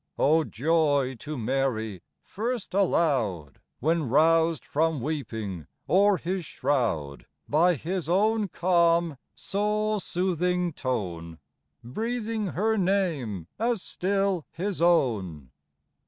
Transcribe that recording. Oh, joy to Mary first allowed, When roused from weeping o'er His shroud, By His own calm, soul soothing tone, Breathing her name as still His own